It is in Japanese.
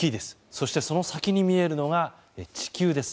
そして、その先に見えるのが地球です。